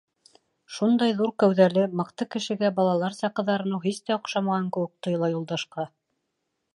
Шундай ҙур кәүҙәле, мыҡты кешегә балаларса ҡыҙарыныу һис тә оҡшамаған кеүек тойола Юлдашҡа.